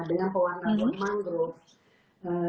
dengan pewarna warna mangrove